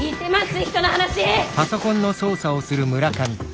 人の話！